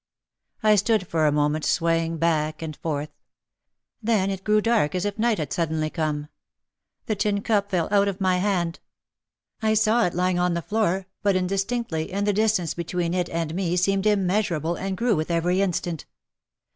I stood for a moment swaying back and forth. Then it grew dark as if night had suddenly come. The tin cup fell out of my hand. I saw it lying on the floor but indistinctly and the distance between it and me seemed immeasurable and grew with every instant.